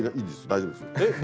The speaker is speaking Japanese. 大丈夫ですって。